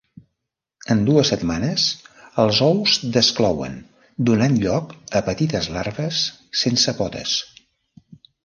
En dues setmanes els ous desclouen donant lloc a petites larves sense potes.